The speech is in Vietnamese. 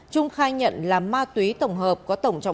trung khai nhận là ma túy tổng hợp có tổng trọng